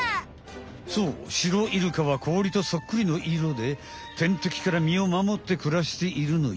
そうシロイルカはこおりとそっくりのいろでてんてきからみをまもってくらしているのよ。